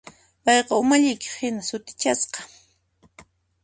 Payqa umalliqhina sutichasqa.